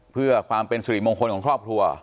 เพื่อความเป็นสิริมงคลของครอบครัว